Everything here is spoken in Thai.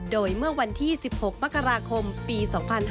โดยเมื่อวันที่๑๖มกราคมปี๒๕๕๙